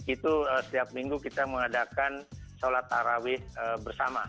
itu setiap minggu kita mengadakan sholat tarawih bersama